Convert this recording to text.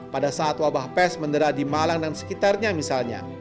pada saat wabah pes mendera di malang dan sekitarnya misalnya